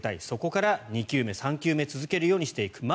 そこから２球目、３球目続けるようにしていく。